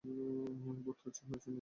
বোধ হয় চীনেদের কাছে শেখে।